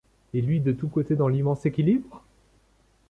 Et luit de tous côtés dans l'immense équilibre ?